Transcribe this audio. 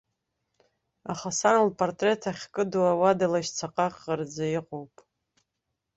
Аха сан лпатреҭ ахькыду ауада лашьцаҟаҟараӡа иҟоуп.